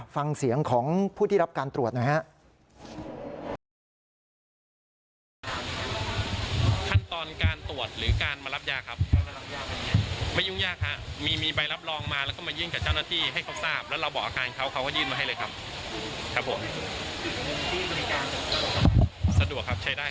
ฟังเสียงของผู้ที่รับการตรวจหน่อยฮะ